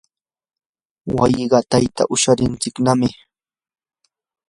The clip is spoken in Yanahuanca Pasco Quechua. wasi qatayta usharuntsiknam.